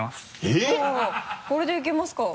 おっこれでいけますか？